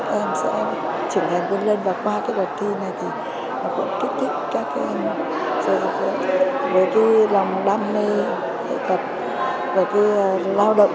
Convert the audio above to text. với cái lòng đam mê nghệ thuật với cái lao động nghệ thuật